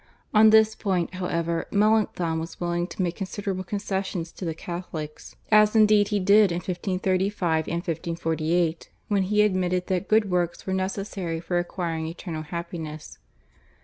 On this point, however, Melanchthon was willing to make considerable concessions to the Catholics, as indeed he did in 1535 and 1548, when he admitted that good works were necessary for acquiring eternal happiness.